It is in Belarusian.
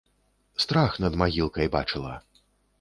Страх над магілкай бачыла!